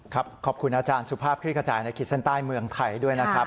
ขอบคุณอาจารย์สุภาพคลิกกระจายในขีดเส้นใต้เมืองไทยด้วยนะครับ